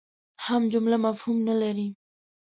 هم جمله مفهوم نه لري.